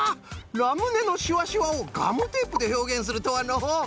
ラムネのシュワシュワをガムテープでひょうげんするとはのう。